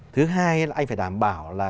thứ hai là anh phải đảm bảo là